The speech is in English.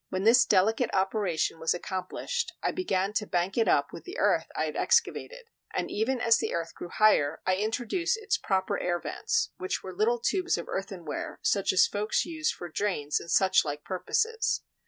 When this delicate operation was accomplished, I began to bank it up with the earth I had excavated; and ever as the earth grew higher I introduced its proper air vents, which were little tubes of earthenware, such as folks use for drains and suchlike purposes.